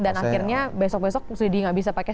dan akhirnya besok besok jadi nggak bisa pakai